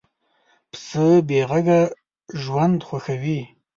پسه بېغږه ژوند خوښوي.